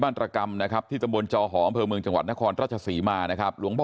ตรกรรมนะครับที่ตำบลจอหออำเภอเมืองจังหวัดนครราชศรีมานะครับหลวงพ่อ